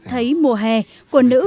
thấy mùa hè của nữ phụ nữ